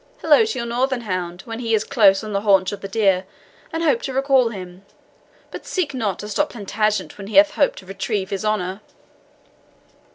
"Hello to your northern hound when he is close on the haunch of the deer, and hope to recall him, but seek not to stop Plantagenet when he hath hope to retrieve his honour."